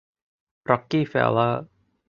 ร็อกกี้เฟลเลอร์